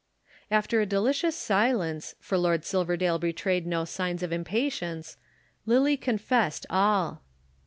After a delicious silence, for Lord Silverdale betrayed no signs of impatience, Lillie confessed all.